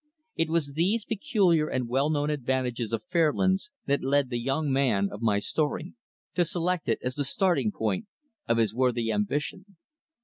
It was these peculiar and well known advantages of Fairlands that led the young man of my story to select it as the starting point of his worthy ambition.